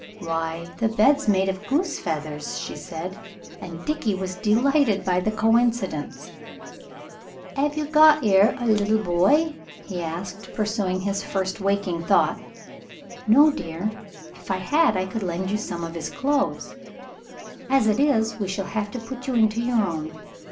"Why, the bed's made of goose feathers," she said, and Dickie was delighted by the coincidence. "'Ave you got e'er a little boy?" he asked, pursuing his first waking thought. "No, dear; if I had I could lend you some of his clothes. As it is, we shall have to put you into your own."